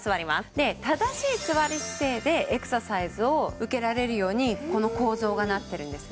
正しい座り姿勢でエクササイズを受けられるようにこの構造がなってるんですね。